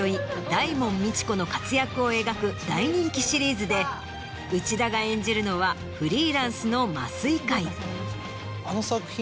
大門未知子の活躍を描く大人気シリーズで内田が演じるのはフリーランスの麻酔科医。